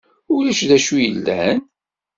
Ulac d acu yellan?